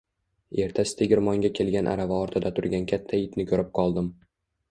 Ertasi tegirmonga kelgan arava ortida turgan katta itni ko‘rib qoldim